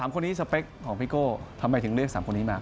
๓คนนี้สเปคของพี่โก้ทำไมถึงเลือก๓คนนี้มา